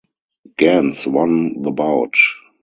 Gans won the bout.